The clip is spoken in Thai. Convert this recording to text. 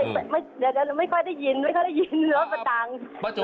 ไม่ค่อยได้ยิน